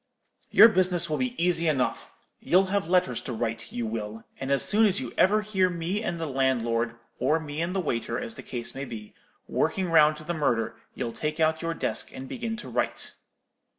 Your business will be easy enough. You'll have letters to write, you will; and as soon as ever you hear me and the landlord, or me and the waiter, as the case may be, working round to the murder, you'll take out your desk and begin to write.'